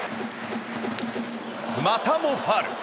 またもファウル。